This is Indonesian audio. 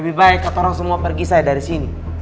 lebih baik kata orang semua periksa ya dari sini